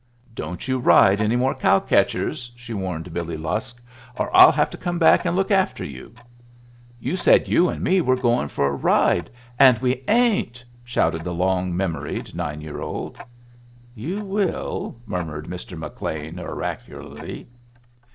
"Don't you ride any more cow catchers," she warned Billy Lusk, "or I'll have to come back and look after you." "You said you and me were going for a ride, and we ain't," shouted the long memoried nine year old. "You will," murmured Mr. McLean, oracularly.